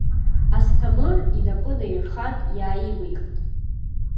Асҭамыр инапы наирхан иааимихт.